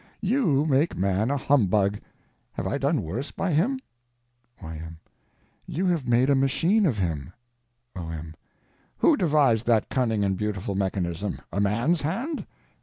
_You _make man a humbug; have I done worse by him? Y.M. You have made a machine of him. O.M. Who devised that cunning and beautiful mechanism, a man's hand?